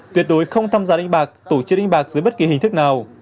tuyệt đối không thăm giá đánh bạc tổ chức đánh bạc dưới bất kỳ hình thức nào